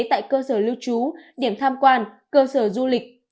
tại cơ sở lưu trú điểm tham quan cơ sở du lịch